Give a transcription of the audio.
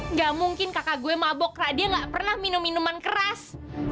nggak mungkin kakak gue mabokra dia nggak pernah minum minuman keras